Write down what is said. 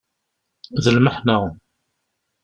D lmeḥna.